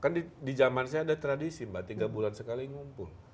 kan di zaman saya ada tradisi mbak tiga bulan sekali ngumpul